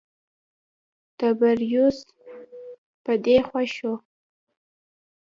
تبریوس په دې خوښ و.